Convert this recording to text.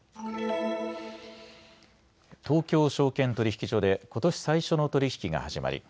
東京証券取引所でことし最初の取り引きが始まり